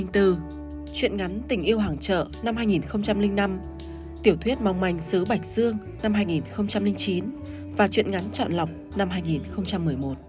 chuyện ngắn tình yêu hàng chợ năm hai nghìn năm tiểu thuyết mong manh sứ bạch dương năm hai nghìn chín và chuyện ngắn chọn lọc năm hai nghìn một mươi một